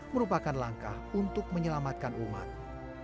merupakan langkah untuk menyelamatkan masjid masjid besar